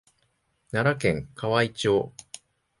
奈良県河合町